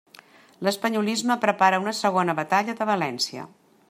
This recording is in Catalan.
L'espanyolisme prepara una segona Batalla de València.